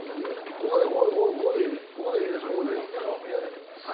ここでいいです